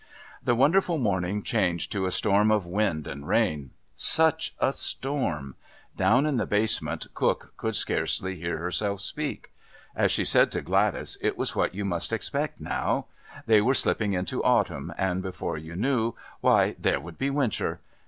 The wonderful morning changed to a storm of wind and rain. Such a storm! Down in the basement Cook could scarcely hear herself speak! As she said to Gladys, it was what you must expect now. They were slipping into Autumn, and before you knew, why, there would be Winter!